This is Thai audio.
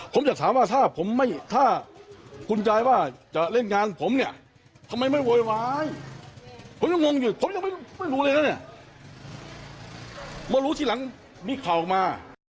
ผมอยากถามว่าถ้าผมไม่ถ้าคุณยายว่าจะเล่นงานผมเนี่ยทำไมไม่โวยวายผมยังงงอยู่ผมยังไม่รู้เลยนะเนี่ยมารู้ทีหลังมีข่าวออกมา